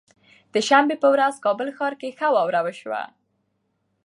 د شنبه به ورځ کابل ښار کې ښه واوره وشوه